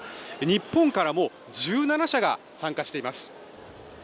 日本からも１７社が参加しています」